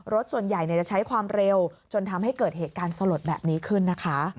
รถส่วนใหญ่จะใช้ความเร็วจนทำให้เกิดเหตุการณ์สลดแบบนี้ขึ้นนะคะ